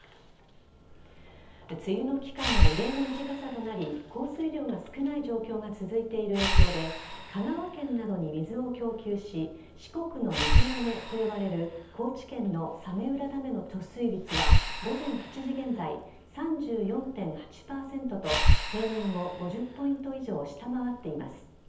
梅雨の期間が異例の短さとなり降水量が少ない状況が続いている影響で香川県などに水を供給し四国の水がめと呼ばれる高知県の早明浦ダムの貯水率は午前８時現在、３４．８％と平年を５０ポイント以上下回っています。